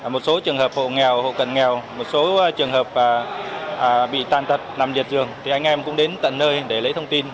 một số trường hợp hộ nghèo hộ cần nghèo một số trường hợp bị tần tật nằm liệt dường thì anh em cũng đến tận nơi để lấy thông tin